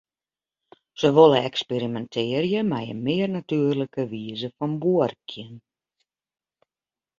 Se wolle eksperimintearje mei in mear natuerlike wize fan buorkjen.